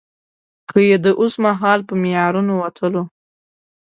که يې د اوسمهال په معیارونو وتلو.